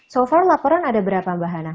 so farm laporan ada berapa bahana